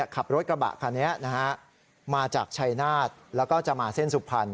ขับรถกระบะคันนี้มาจากชัยนาธแล้วก็จะมาเส้นสุพรรณ